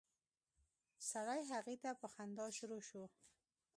سړی هغې ته په خندا شروع شو.